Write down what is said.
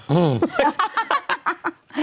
อืม